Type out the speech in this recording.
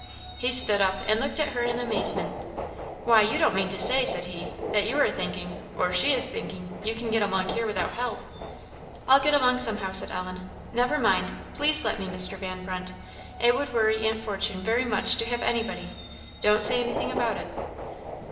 He stood up and looked at her in amazement. "Why, you don't mean to say," said he, "that you are thinking, or she is thinking, you can get along here without help?" "I'll get along somehow," said Ellen. "Never mind, please let me, Mr. Van Brunt; it would worry Aunt Fortune very much to have anybody; don't say anything about it."